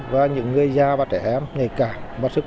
và những người gia và trẻ em ngày càng